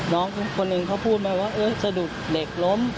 น้องคนนึงเขาพูดไหมว่าเอ๊ะสดุดเหล็กร้ม